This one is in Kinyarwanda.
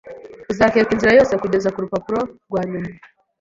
uzakeka inzira yose kugeza kurupapuro rwanyuma